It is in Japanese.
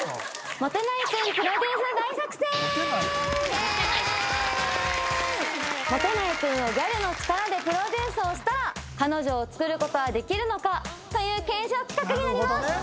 「モテない君をギャルの力でプロデュースをしたら彼女をつくることはできるのか？」という検証企画になります。